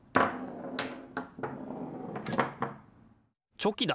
チョキだ！